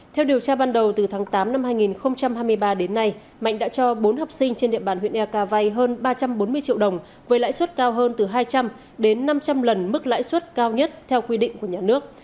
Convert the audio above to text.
theo điều tra ban đầu từ tháng tám năm hai nghìn hai mươi ba đến nay mạnh đã cho bốn học sinh trên địa bàn huyện eak vay hơn ba trăm bốn mươi triệu đồng với lãi suất cao hơn từ hai trăm linh đến năm trăm linh lần mức lãi suất cao nhất theo quy định của nhà nước